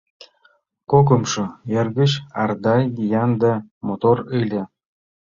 — Кокымшо эргыч, Ардай, виян да мотор ыле.